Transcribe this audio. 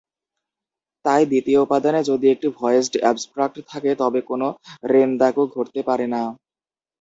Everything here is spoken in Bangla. তাই, দ্বিতীয় উপাদানে যদি একটি ভয়েসড অবস্ট্রাক্ট থাকে তবে কোন "রেন্দাকু" ঘটতে পারে না।